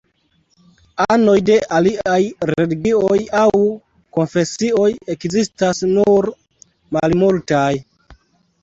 Anoj de aliaj religioj aŭ konfesioj ekzistas nur malmultaj.